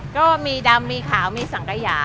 ก็มีดำมีขาวมีสังกยา